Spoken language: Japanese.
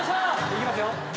いきますよ。